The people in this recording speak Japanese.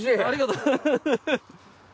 ありがとうございます。